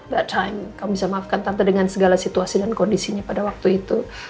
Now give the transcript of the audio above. ⁇ that time kamu bisa maafkan tanpa dengan segala situasi dan kondisinya pada waktu itu